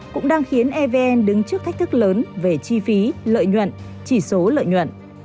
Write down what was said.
cũng đang khiến evn đứng trước thách thức lớn về chi phí lợi nhuận chỉ số lợi nhuận